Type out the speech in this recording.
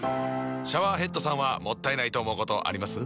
シャワーヘッドさんはもったいないと思うことあります？